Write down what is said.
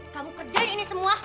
kamu kerjain ini semua